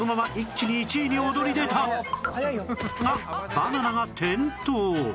バナナが転倒